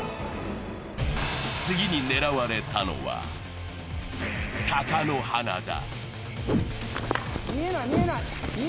次に狙われたのは貴乃花だ。